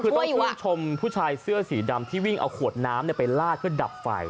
คือต้องชื่นชมผู้ชายเสื้อสีดำที่วิ่งเอาขวดน้ำไปลาดเพื่อดับไฟ